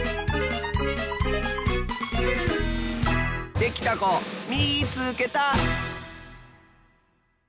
できたこみいつけた！